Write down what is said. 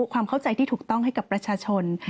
ความเข้าใจที่ถูกต้องให้กับประชาชน